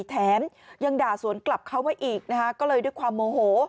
แถมยังด่าสวนกลับเข้ามาอีกนะคะก็เลยด้วยความโมโห